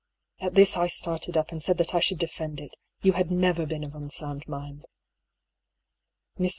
At this I started up, and said that I should defend it. You had never been of unsound mind. Mr.